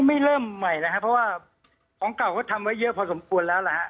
ไม่เริ่มใหม่แล้วครับเพราะว่าของเก่าก็ทำไว้เยอะพอสมควรแล้วนะฮะ